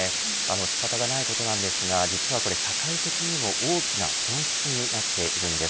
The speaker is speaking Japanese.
仕方がないことなんですが実はこれ社会的にも大きな損失になっているんです。